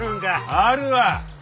あるわ！